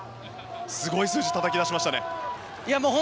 すごい数字たたき出しましたね。